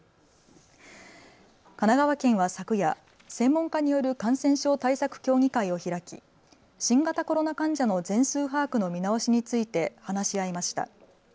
神奈川県は昨夜、専門家による感染症対策協議会を開き新型コロナ患者の全数把握の見直しについて話し合いました。